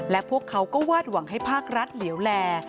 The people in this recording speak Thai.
และพวกเขาก็วาดหวังให้ภาครัฐเหลวแล